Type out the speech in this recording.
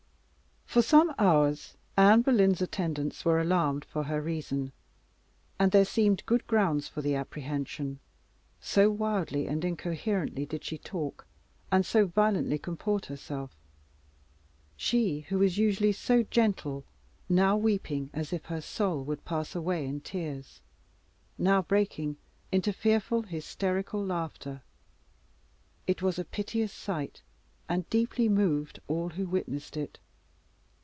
For some hours Anne Boleyn's attendants were alarmed for her reason, and there seemed good grounds for the apprehension, so wildly and incoherently did she talk, and so violently comport herself she who was usually so gentle now weeping as if her soul would pass away in tears now breaking into fearful hysterical laughter. It was a piteous sight, and deeply moved all who witnessed it.